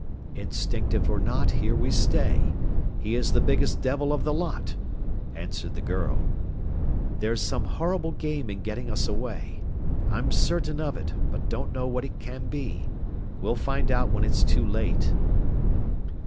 "Instinctive or not, here we stay. He is the biggest devil of the lot," answered the girl. "There's some horrible game in getting us away. I'm certain of it, but don't know what it can be. We'll find out when it's too late."